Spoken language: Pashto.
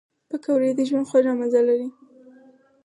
پکورې د ژوند خوږ مزه لري